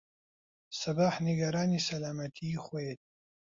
سەباح نیگەرانی سەلامەتیی خۆیەتی.